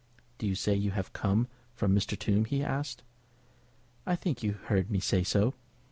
"Do you say that you have come from Mr. Tombe?" he asked. "I think you heard me say so.